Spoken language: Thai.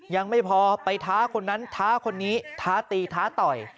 ยังไม่พอไปท้าคนนั้นท้าคนนี้ท้าตีท้าต่อย